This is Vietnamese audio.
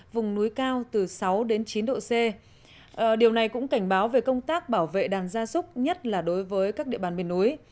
vùng núi cao từ sáu đến chín độ c điều này cũng cảnh báo về công tác bảo vệ đàn gia súc nhất là đối với các địa bàn miền núi